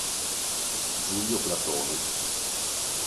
Giulio Platone